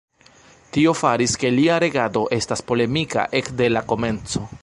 Tio faris ke lia regado estas polemika ekde la komenco.